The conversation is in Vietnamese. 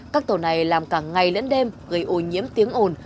các tổ này làm cả ngày lẫn đêm gây ô nhiễm tiếng ồn